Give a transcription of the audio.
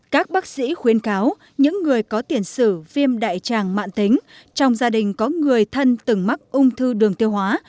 các bác sĩ khuyến cáo những người có tiền sử viêm đại tràng mạng tính trong gia đình có người thân từng mắc ung thư đường tiêu hóa